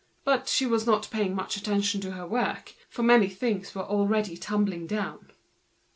But she was not paying much attention to her work, for the heaps were already tumbling down.